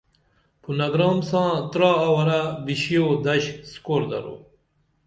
پونہ گرام ساں ترا اورہ بشی او دش اسکور درو۔